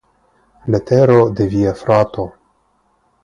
Letero de via frato.